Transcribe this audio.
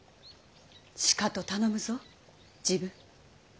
しかと頼むぞ治部。